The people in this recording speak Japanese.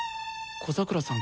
小桜さん